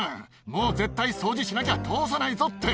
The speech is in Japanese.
もう絶対、掃除しなきゃ通さないぞって。